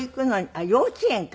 あっ幼稚園か。